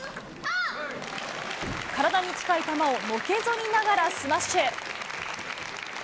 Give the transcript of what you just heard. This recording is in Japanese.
体に近い球をのけぞりながらスマッシュ。